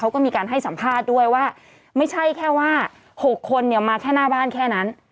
เขาก็มีการให้สัมภาษณ์ด้วยว่าไม่ใช่แค่ว่า๖คนเนี่ยมาแค่หน้าบ้านแค่นั้น